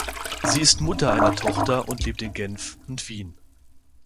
Sie ist Mutter einer Tochter und lebt in Genf und Wien.